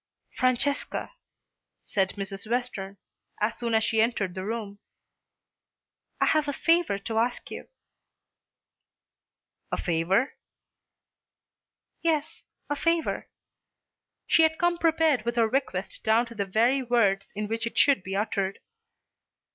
"Francesca," said Mrs. Western, as soon as she entered the room, "I have a favour to ask you." "A favour?" "Yes, a favour." She had come prepared with her request down to the very words in which it should be uttered.